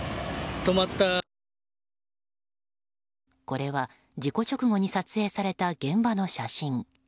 これは事故直後に撮影された現場の写真。